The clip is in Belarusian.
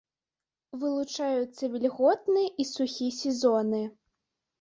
Вылучаюцца вільготны і сухі сезоны.